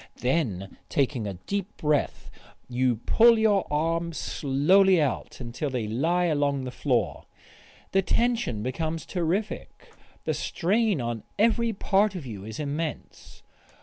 Then taking a deep breath you pull your arms slowly out until they lie along the floor. The tension becomes terrific, the strain on every part of you is immense.